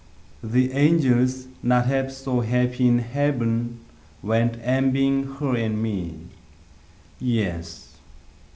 The angels, not half so happy in heaven, Went envying her and me Yes!